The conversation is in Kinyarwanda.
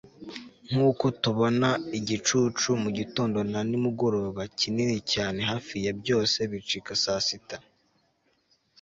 nkuko tubona igicucu, mugitondo na nimugoroba kinini cyane, hafi ya byose bicika saa sita